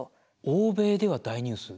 欧米では大ニュース。